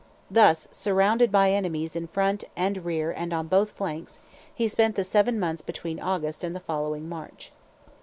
Thus, surrounded by enemies in front and rear and on both flanks, he spent the seven months between August and the following March.